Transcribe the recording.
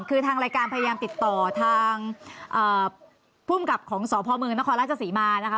คือทางรายการพยายามติดต่อทางภูมิกับของสพมนครราชศรีมานะคะ